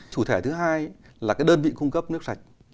chủ thể thứ hai là cái đơn vị cung cấp nước sạch